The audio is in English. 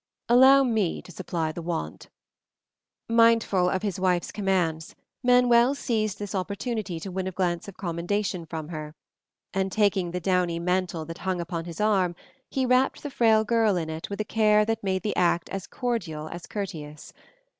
"Allow me to supply the want." Mindful of his wife's commands, Manuel seized this opportunity to win a glance of commendation from her. And taking the downy mantle that hung upon his arm, he wrapped the frail girl in it with a care that made the act as cordial as courteous.